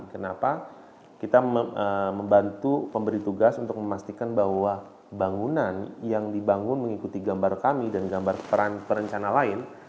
kenapa kita membantu pemberi tugas untuk memastikan bahwa bangunan yang dibangun mengikuti gambar kami dan gambar peran perencana lain